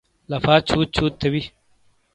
لَفا چھُوت چھُوت تھے وِی۔